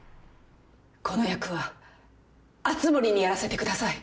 この役は熱護にやらせてください